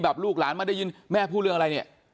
ลูกหลานมาได้ยินแม่พูดเรื่องอะไรเนี่ย